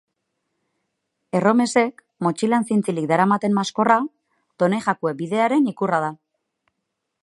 Erromesek motxilan zintzilik daramaten maskorra Donejakue bidearen ikurra da.